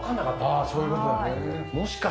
ああそういう事だね。